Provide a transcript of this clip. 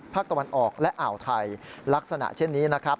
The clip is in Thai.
ตะวันออกและอ่าวไทยลักษณะเช่นนี้นะครับ